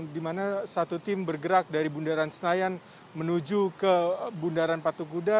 di mana satu tim bergerak dari bundaran senayan menuju ke bundaran patung kuda